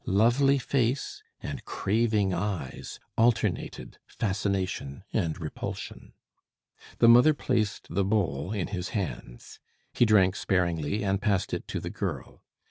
Lovely face and craving eyes alternated fascination and repulsion. The mother placed the bowl in his hands. He drank sparingly, and passed it to the girl.